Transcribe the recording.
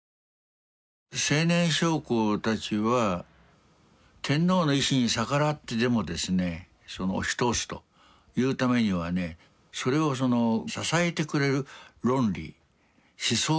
青年将校たちは天皇の意志に逆らってでもですね押し通すというためにはねそれを支えてくれる論理思想が欲しいわけです。